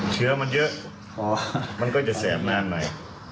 เชื้อมันเยอะมันก็จะแสบนานหน่อย